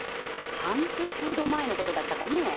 半年ほど前だったかね